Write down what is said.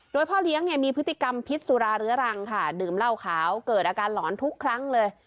โดยพ่อเลี้ยงเนี่ยมีพฤติกรรมพิษสุราเรื้อรังค่ะดื่มเหล้าขาวเกิดอาการหลอนทุกครั้งเลย